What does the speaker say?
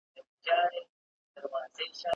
¬ ليلا ته د مجنون په سترگو وگوره.